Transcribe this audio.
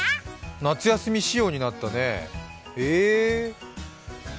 夏休み仕様になったね、へえ。